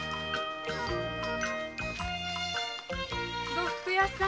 呉服屋さん。